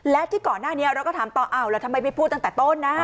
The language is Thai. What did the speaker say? และที่ก่อนหน้านี้เราก็ถามต่ออ้าวแล้วทำไมไม่พูดตั้งแต่ต้นนะ